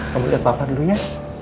kamu lihat bapak dulu ya